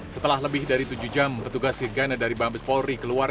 setelah lebih dari tujuh jam ketugas segana dari bambus polri keluar